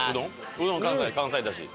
うどん関西関西出汁。